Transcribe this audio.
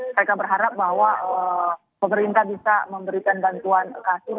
mereka berharap bahwa pemerintah bisa memberikan bantuan kasus